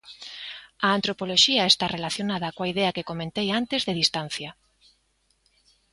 A antropoloxía está relacionada coa idea que comentei antes de distancia.